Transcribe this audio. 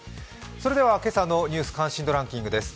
それでは、今朝の「ニュース関心度ランキング」です。